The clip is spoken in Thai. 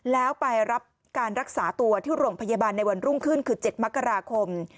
แล้วไปรับการรักษาตัวที่โรงพยาบาลในวันรุ่งขึ้นคือ๗มกราคม